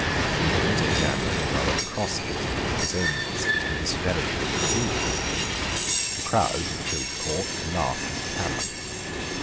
Williams examined or rather crossexamined his own witnesses with a severity which confused them. The crowd which filled the court laughed and clamoured.